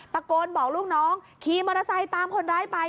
ตะโกนบอกลูกน้องขี่มอเตอร์ไซค์ตามคนร้ายไป